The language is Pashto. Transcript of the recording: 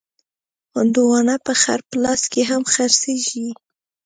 هندوانه په خړ پلاس کې هم خرڅېږي.